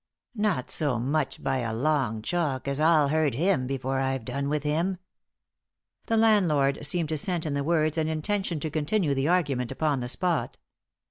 "Not so much by a long chalk as I'll hurt him before I've done with him." The landlord seemed to scent in the words an intention to continue the argument upon the spot.